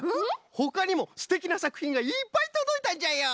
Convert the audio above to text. ほかにもすてきなさくひんがいっぱいとどいたんじゃよ！